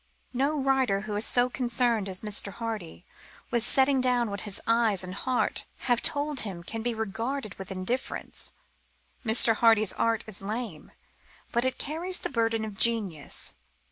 No writer who is so concerned as Mr. Hardy with setting down what his eyes and heart have told him can be regarded with indifference. Mr. Hardy's art is lame, but it carries the burden of genius.